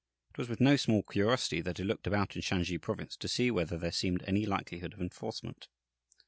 It was with no small curiosity that I looked about in Shansi Province to see whether there seemed any likelihood of enforcement.